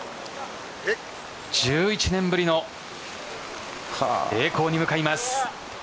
１１年ぶりの栄光に向かいます。